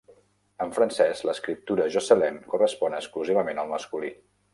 En francès, l'escriptura "Jocelyn" correspon exclusivament al masculí.